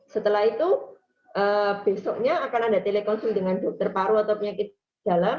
setelah itu besoknya akan ada telekonsul dengan dokter paru atau penyakit dalam